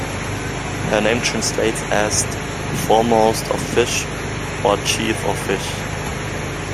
Her name translates as "Foremost of Fish" or "Chief of Fish.